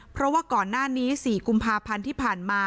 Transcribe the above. เพราะว่าก่อนหน้านี้๔กุมภาพันธ์ที่ผ่านมา